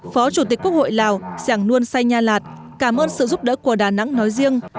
phó chủ tịch quốc hội lào giảng luân say nha lạt cảm ơn sự giúp đỡ của đà nẵng nói riêng